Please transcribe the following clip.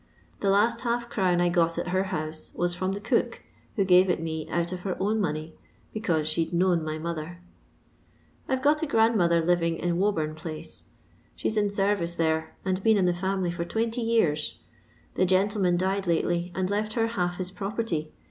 The last half crown I got at her house was from the eook, who gave it me out of her own money because she 'd known my mother. ^ I 've got a grandmother living in Wobum place; she's in service there, and been in the frmily for twenty years. The gentleman died latdy and left her half his property.